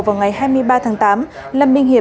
vào ngày hai mươi ba tháng tám lâm minh hiệp